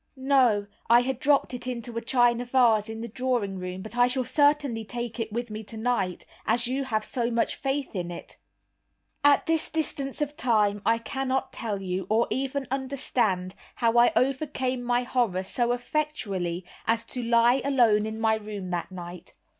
"No, I had dropped it into a china vase in the drawing room, but I shall certainly take it with me tonight, as you have so much faith in it." At this distance of time I cannot tell you, or even understand, how I overcame my horror so effectually as to lie alone in my room that night.